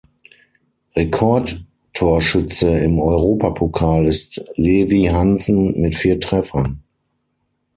Rekordtorschütze im Europapokal ist Levi Hanssen mit vier Treffern.